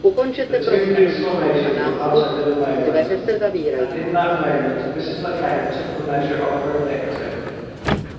The two exclamations were uttered in a moment, and in that moment Mrs. Lecount took the measure of her victim.